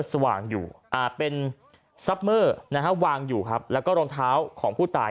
สว่างอยู่เป็นซับเมอร์นะฮะวางอยู่ครับแล้วก็รองเท้าของผู้ตาย